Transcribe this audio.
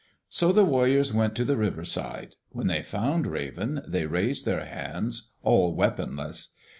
So the warriors went to the river side. When they found Raven, they raised their hands, all weaponless.